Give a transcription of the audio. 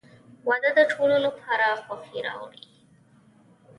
• واده د ټولو لپاره خوښي راوړي.